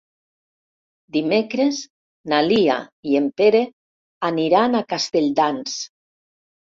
Dimecres na Lia i en Pere aniran a Castelldans.